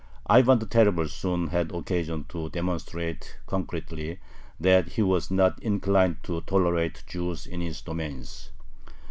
Ivan the Terrible soon had occasion to demonstrate concretely that he was not inclined to tolerate Jews in his domains.